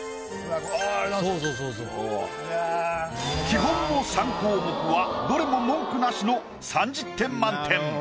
基本の３項目はどれも文句なしの３０点満点。